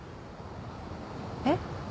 えっ？